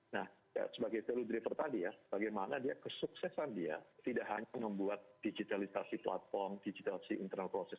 nah sebagai value driver tadi ya bagaimana dia kesuksesan dia tidak hanya membuat digitalisasi platform digitalisasi internal proces